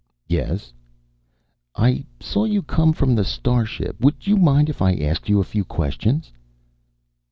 "Yes?" "I saw you come from the starship. Would you mind if I ask you a few questions?"